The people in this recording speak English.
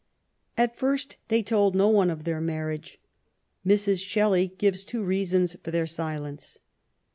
At first they told no one of their marriage. Mrs. Shelley gives two reasons for their silence.